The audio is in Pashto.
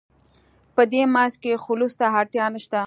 په دې منځ کې خلوص ته اړتیا نشته.